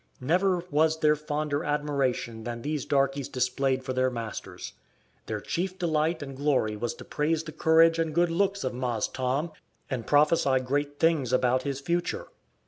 Never was there fonder admiration than these darkies displayed for their masters. Their chief delight and glory was to praise the courage and good looks of "Mahse Tom," and prophesy great things about his future.